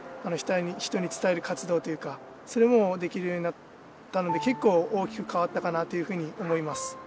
人に伝える活動というかそれもできるようになったので結構大きく変わったかなというふうに思います。